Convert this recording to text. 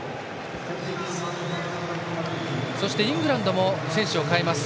そしてイングランドも選手を代えます。